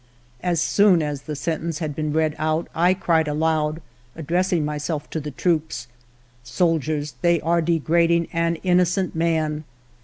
As soon as the sentence had been read out, I cried aloud, addressing myself to the troops :" Soldiers, they are degrading an innocent man.